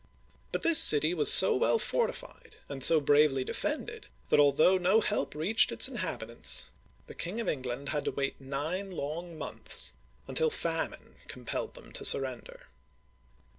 But this city was so well fortified and so bravely defended, that although no help reached its inhab itants, the King of England had to wait nine long months until famine compelled them to surrender.